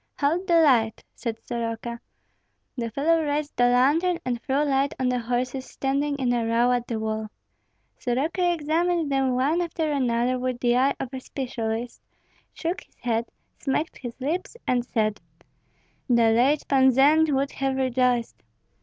"Hold the light," said Soroka. The fellow raised the lantern, and threw light on the horses standing in a row at the wall. Soroka examined them one after another with the eye of a specialist, shook his head, smacked his lips, and said, "The late Pan Zend would have rejoiced.